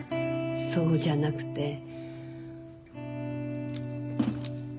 そうじゃなくて。